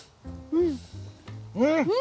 うん！